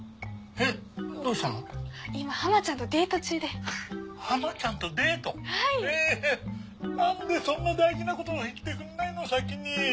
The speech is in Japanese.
えなんでそんな大事なこと言ってくんないの先に。